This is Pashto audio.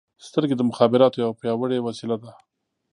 • سترګې د مخابراتو یوه پیاوړې وسیله ده.